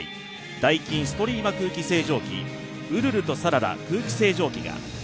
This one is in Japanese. ダイキンストリーマ空気清浄機うるるとさらら空気清浄機が。